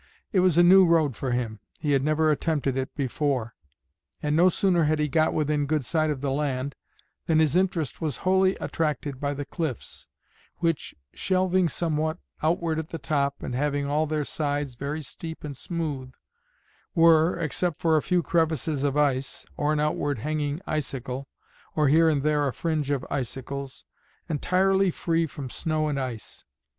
It was a new road for him; he had never attempted it before; and no sooner had he got within good sight of the land, than his interest was wholly attracted by the cliffs, which, shelving somewhat outward at the top, and having all their sides very steep and smooth, were, except for a few crevices of ice, or an outward hanging icicle, or here and there a fringe of icicles, entirely free from snow and ice.